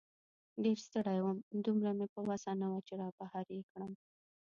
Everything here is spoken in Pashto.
ډېر ستړی وم، دومره مې په وسه نه وه چې را بهر یې کړم.